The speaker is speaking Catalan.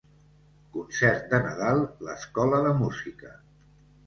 Concert de Nadal l'escola de música.